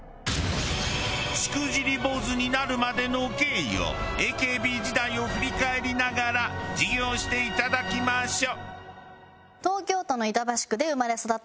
しくじり坊主になるまでの経緯をＡＫＢ時代を振り返りながら授業していただきましょう。